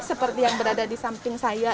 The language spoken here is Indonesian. seperti yang berada di samping saya